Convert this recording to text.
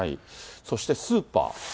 そしてスーパー。